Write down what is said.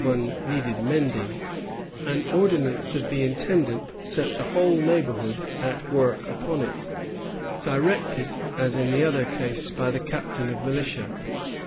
77 one needed mending, an ordinance of the intendant set the whole neighborhood at work upon it, directed, as in the other case, by the captain of militia.